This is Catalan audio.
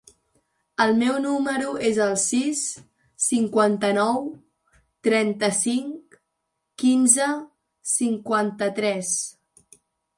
El meu número es el sis, cinquanta-nou, trenta-cinc, quinze, cinquanta-tres.